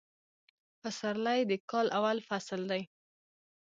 فسرلي د کال اول فصل دي